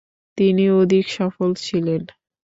তিনি অধিক সফল ছিলেন।